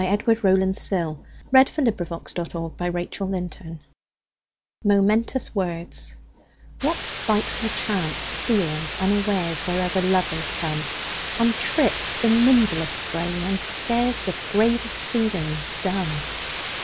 Edward Rowland Sill 1841–1887 Edward Rowland Sill 209 Momentous Words WHAT spiteful chance steals unawaresWherever lovers come, And trips the nimblest brain and scaresThe bravest feelings dumb?